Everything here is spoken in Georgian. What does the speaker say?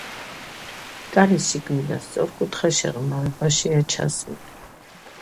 კარი შიგნიდან სწორკუთხა შეღრმავებაშია ჩასმული.